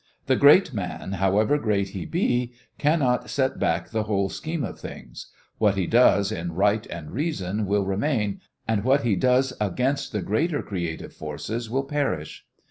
The great man, however great he be, cannot set back the whole scheme of things; what he does in right and reason will remain, and what he does against the greater creative forces will perish.